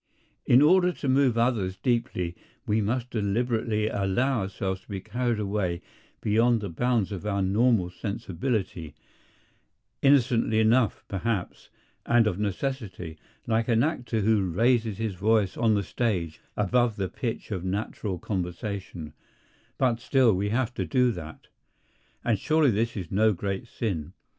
In order to move others deeply we must deliberately allow ourselves to be carried away beyond the bounds of our normal sensibility—innocently enough, perhaps, and of necessity, like an actor who raises his voice on the stage above the pitch of natural conversation—but still we have to do that. And surely this is no great sin.